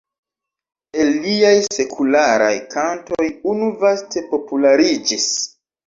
El liaj sekularaj kantoj unu vaste populariĝis.